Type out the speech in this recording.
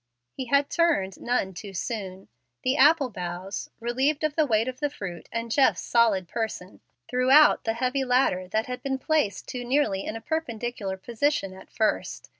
He had turned none too soon. The apple boughs, relieved of the weight of the fruit and Jeff's solid person, threw out the heavy ladder that had been placed too nearly in a perpendicular position at first.